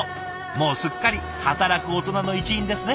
もうすっかり働くオトナの一員ですね。